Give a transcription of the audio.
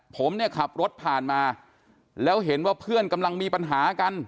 ผมเนี่ยขับรถผ่านมาแล้วเห็นว่าเพื่อนกำลังมีปัญหากัน